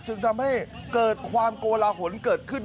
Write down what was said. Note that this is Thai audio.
จึงทำให้เกิดความโกลาหลเกิดขึ้น